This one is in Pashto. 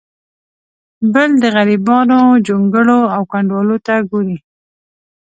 بل د غریبانو جونګړو او کنډوالو ته ګوري.